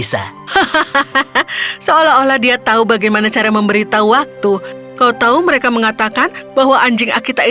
saat dia turun dari keretanya